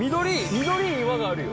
緑い岩があるよ。